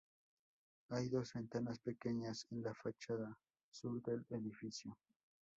Hay dos ventanas pequeñas en la fachada sur del edificio.